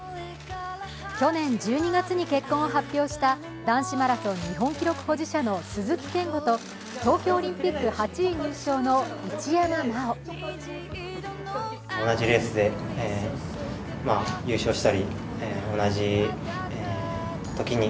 去年１２月に結婚を発表した男子マラソン日本記録保持者の鈴木健吾と東京オリンピック８位入賞の一山麻緒。